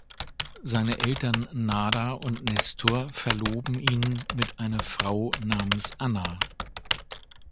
Seine Eltern Nada und Nestor verloben ihn mit einer Frau namens Anna.